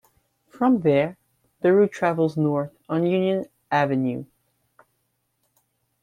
From there, the route travels north on Union Avenue.